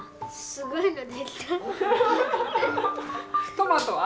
トマトは？